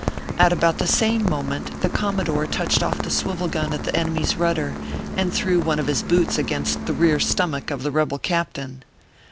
At about the same moment the commodore touched off the swivel gun at the enemy s rudder, and threw one of his boots against the rear stomach of the rebel captain.